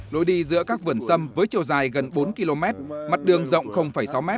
lối đi giữa các vườn sâm với chiều dài gần bốn km mặt đường rộng sáu m